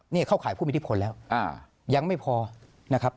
นี่เข้าข่ายผู้มีอิทธิพลแล้วยังไม่พอนะครับ